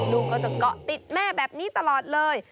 ลูกก็จะเกาะติดแม่แบบนี้ตลอดเลย